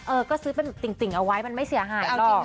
เออก็ซื้อเป็นติ่งเอาไว้มันไม่เสียหายหรอก